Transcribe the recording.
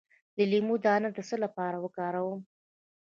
د لیمو دانه د څه لپاره وکاروم؟